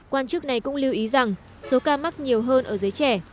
quan chức này cũng lưu ý rằng số ca mắc nhiều hơn ở giới trẻ